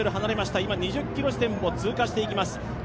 今、２０ｋｍ地点を通過していきます。